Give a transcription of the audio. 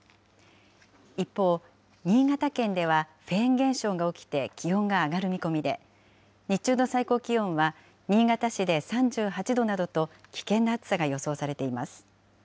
一方、新潟県ではフェーン現象が起きて気温が上がる見込みで、日中の最高気温は新潟市で３８度などと、危険な暑さが予想されています。